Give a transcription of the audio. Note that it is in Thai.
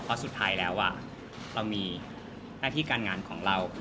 เพราะสุดท้ายแล้วเรามีหน้าที่การงานของเรา